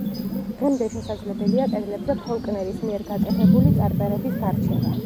დღემდე შესაძლებელია კედლებზე ფოლკნერის მიერ გაკეთებული წარწერების გარჩევა.